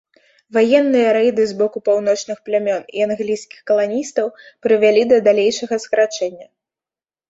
Ваенныя рэйды з боку паўночных плямён і англійскіх каланістаў прывялі да далейшага скарачэння.